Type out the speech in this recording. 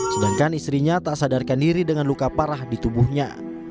sedangkan istrinya tak sadarkan diri dengan luka parah di tubuhnya